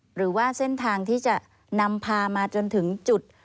หรือว่าเส้นทางที่จะนำพามาจนถึงจุด